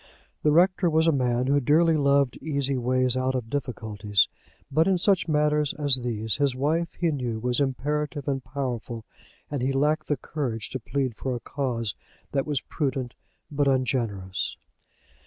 The rector was a man who dearly loved easy ways out of difficulties. But in such matters as these his wife he knew was imperative and powerful, and he lacked the courage to plead for a cause that was prudent, but ungenerous.